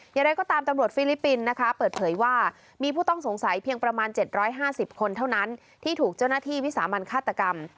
อย่างไรก็ตามตำรวจฟิลิปปินส์นะคะเปิดเผยว่ามีผู้ต้องสงสัยเพียงประมาณ๗๕๐คนเท่านั้นที่ถูกเจ้าหน้าที่วิสามันฆาตกรรม